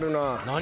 何？